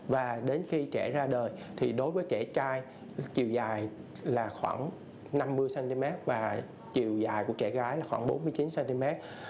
và đến khi trẻ ra đời thì đối với trẻ trai chiều dài là khoảng năm mươi cm và chiều dài của trẻ gái là khoảng bốn mươi chín cm